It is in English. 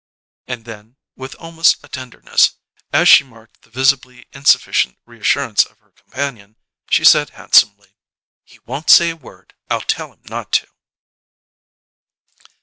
And then, with almost a tenderness, as she marked the visibly insufficient reassurance of her companion, she said handsomely: "He won't say a word. I'll tell him not to."